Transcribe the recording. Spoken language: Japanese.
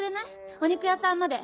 お肉屋さんまで。